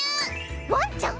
ワンちゃん！